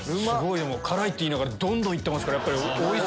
辛い！って言いながらどんどんいってますから。